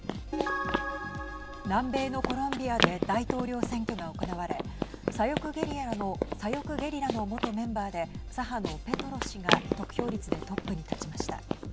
南米のコロンビアで大統領選挙が行われ左翼ゲリラの元メンバーで、左派のペトロ氏が得票率でトップに立ちました。